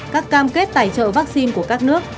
các cam kết tài trợ vaccine của các nước